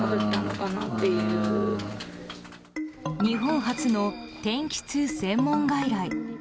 日本初の天気痛専門外来。